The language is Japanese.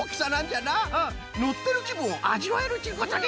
のってるきぶんをあじわえるっちゅうことね！